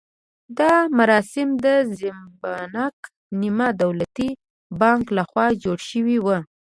دا مراسم د زیمبانک نیمه دولتي بانک لخوا جوړ شوي وو.